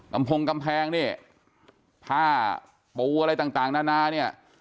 กำพงกำแพงนี่ผ้าปูอะไรต่างนานานี่